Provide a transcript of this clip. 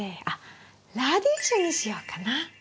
あっラディッシュにしようかな。